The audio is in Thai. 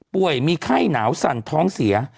มีไข้หนาวสั่นท้องเสีย